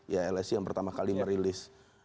ya lsi yang pertama kali merilis